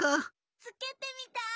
つけてみたい！